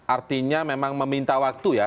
artinya memang meminta waktu ya